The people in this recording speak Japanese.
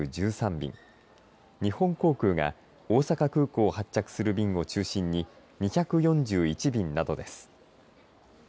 便日本航空が大阪空港を発着する便を中心に２４１便などです。